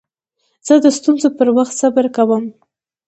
زه د ستونزو پر وخت صبر کوم.